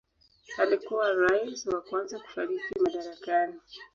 Alikuwa rais wa kwanza kufariki madarakani.